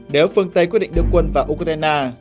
nếu phương tây quyết định đưa quân vào ukraine